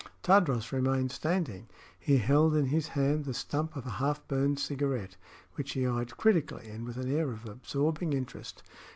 Tadros remained standing. He held in his hand the stump of a half burned cigarette, which he eyed critically and with an air of absorbing interest.